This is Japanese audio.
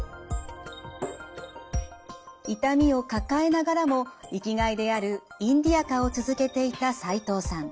痛みを抱えながらも生きがいであるインディアカを続けていた齋藤さん。